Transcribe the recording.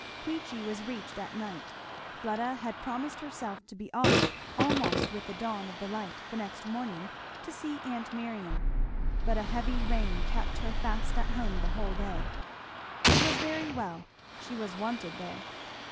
Queechy was reached at night. Fleda had promised herself to be off almost with the dawn of light the next morning to see aunt Miriam, but a heavy rain kept her fast at home the whole day. It was very well; she was wanted there.